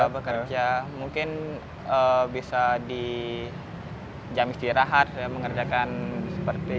ya bekerja ya mungkin bisa di jam istirahat ya other possibility is he could be at rest